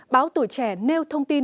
báo tổ trẻ nêu thông tin